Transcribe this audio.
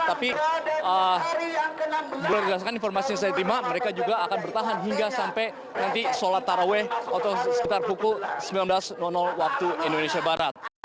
tapi berdasarkan informasi yang saya terima mereka juga akan bertahan hingga sampai nanti sholat taraweh atau sekitar pukul sembilan belas waktu indonesia barat